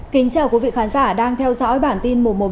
cảm ơn các bạn đã theo dõi